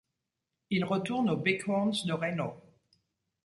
Il retourne aux Bighorns de Reno.